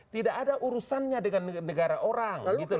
tidak ada urusannya dengan negara orang